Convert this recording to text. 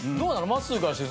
まっすーからして。